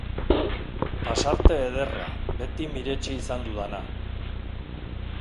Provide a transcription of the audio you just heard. Pasarte ederra, beti miretsi izan dudana.